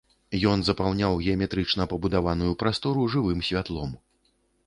Ён запаўняў геаметрычна пабудаваную прастору жывым святлом.